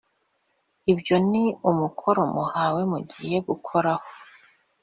Ibyo ni umukoro muhawe mugiye gukoraho